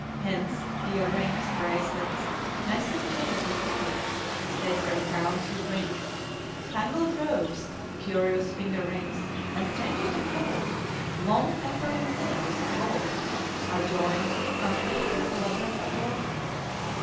Hence ear rings, bracelets, massive chains and collars, tapering crowns with wings, spangled robes, curious finger rings, and, strangest of all, long tapering nails of gold, are joined to complete their elaborate adornment.